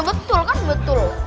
betul ini betul